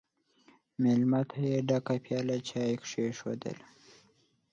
مېلمه ته یې ډکه پیاله چای کښېښودله!